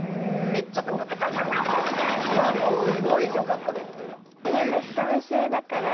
いやもうすごいよかったです。